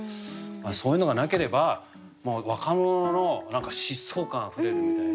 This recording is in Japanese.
そういうのがなければ若者の疾走感あふれるみたいな。